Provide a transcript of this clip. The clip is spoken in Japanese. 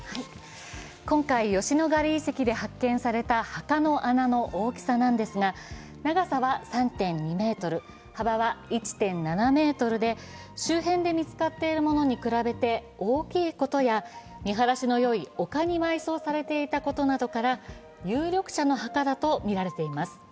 今回、吉野ヶ里遺跡で発見された墓の穴の大きさですが長さは３．２ｍ、幅は１．７ｍで周辺で見つかっているものに比べて大きいことや見晴らしのよい丘に埋葬されていたことなどから有力者の墓だとみられています。